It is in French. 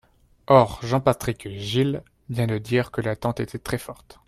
Or Jean-Patrick Gille vient de dire que l’attente était très forte.